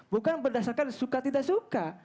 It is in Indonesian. bukan berdasarkan suka tidak suka